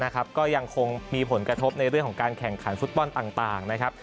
ก็ยังคงมีผลกระทบในเรื่องของการแข่งขันฟุตบอลต่างนะครับ